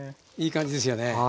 いい感じですよね。